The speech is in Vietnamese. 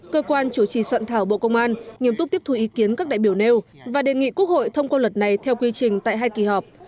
cơ quan chủ trì soạn thảo bộ công an nghiêm túc tiếp thu ý kiến các đại biểu nêu và đề nghị quốc hội thông qua luật này theo quy trình tại hai kỳ họp